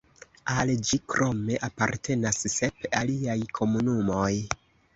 Al ĝi krome apartenas sep aliaj komunumoj.